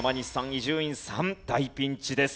伊集院さん大ピンチです。